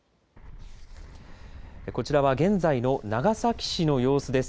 こちらは現在の長崎市の様子です。